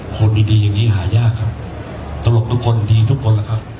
คนดีดีอย่างนี้หายากครับตลกทุกคนดีทุกคนล่ะครับ